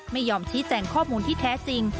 ไม่ยอมชี้แจงข้อมูลที่แท้จริง